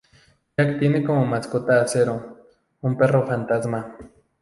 Jack tiene como mascota a Zero, un perro fantasma.